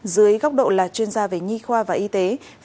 dưới góc độ là chuyên gia về nhi khí học sinh đi học trực tiếp trở lại